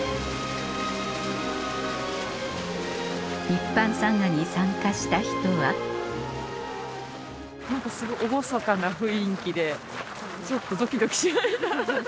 一般参賀に参加した人は何か厳かな雰囲気でちょっとドキドキしました。